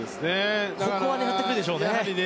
ここは狙ってくるでしょうね。